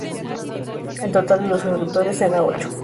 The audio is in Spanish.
El total de los ejecutores era ocho.